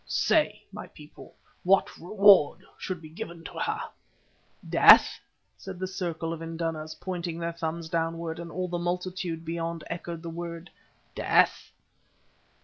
Say, my people, what reward should be given to her?" "Death," said the circle of indunas, pointing their thumbs downwards, and all the multitude beyond echoed the word "Death."